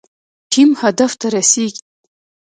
ټیم هدف ته رسیږي